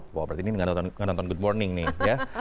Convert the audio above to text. wah berarti ini ngeliatan good morning nih